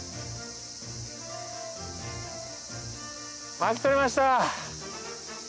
巻き取れました！